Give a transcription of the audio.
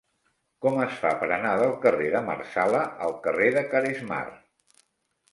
Com es fa per anar del carrer de Marsala al carrer de Caresmar?